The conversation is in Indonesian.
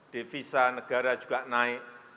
devisa negara juga naik